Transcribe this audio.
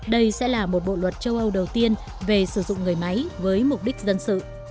đây sẽ là một bộ luật châu âu đầu tiên về sử dụng người máy với mục đích dân sự